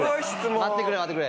待ってくれ待ってくれ。